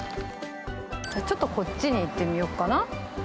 ちょっとこっちに行ってみようかな。